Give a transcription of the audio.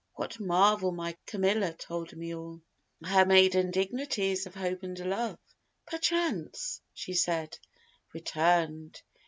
What marvel my Camilla told me all Her maiden dignities of Hope and Love, 'Perchance' she said 'return'd.'